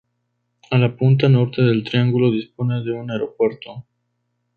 A la punta norte del triángulo dispone de un aeropuerto.